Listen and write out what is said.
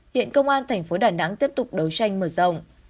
hiện công an tp đà nẵng tiếp tục đấu tranh mở rộng